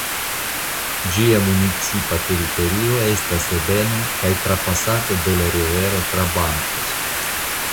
Ĝia municipa teritorio estas ebena kaj trapasata de la rivero Trabancos.